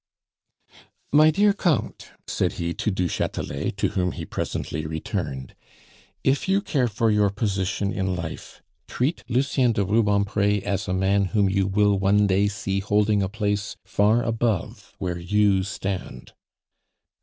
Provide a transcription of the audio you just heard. "My dear Count," said he to du Chatelet, to whom he presently returned, "if you care for your position in life, treat Lucien de Rubempre as a man whom you will one day see holding a place far above where you stand."